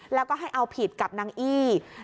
แล้วก็ให้เอาผิดกับนางอี้